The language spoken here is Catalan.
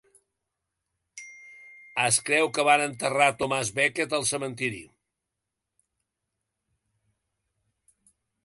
Es creu que van enterrar Thomas Becket al cementiri.